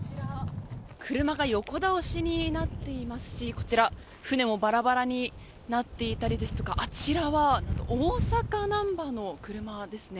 車が横倒しになっていますしこちら、船もバラバラになっていたりですとかあちらは何と、大阪ナンバーの車ですね。